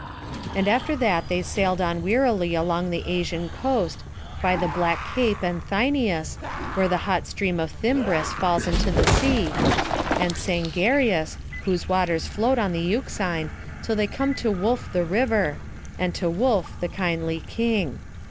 And after that they sailed on wearily along the Asian coast, by the Black Cape and Thyneis, where the hot stream of Thymbris falls into the sea, and Sangarius, whose waters float on the Euxine, till they came to Wolf the river, and to Wolf the kindly king.